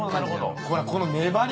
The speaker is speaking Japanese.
ほらこの粘りこれ。